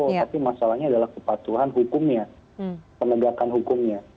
tapi masalahnya adalah kepatuhan hukumnya penegakan hukumnya